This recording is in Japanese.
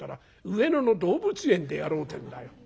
『上野の動物園でやろう』ってんだよ。